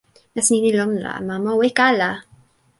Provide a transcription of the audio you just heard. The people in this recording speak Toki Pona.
nasin ni li lon la, mama o weka ala.